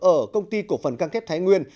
ở công ty cổ phần căng thép thái nguyên